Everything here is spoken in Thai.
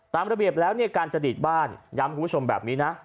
ตามระเบียบแล้วเนี่ยการจะดีดบ้านย้ำคุณผู้ชมแบบนี้นะ